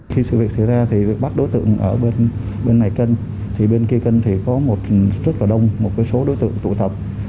khi sự việc xảy ra thì việc bắt đối tượng ở bên này cân thì bên kia cân thì có một rất là đông một số đối tượng tụ tập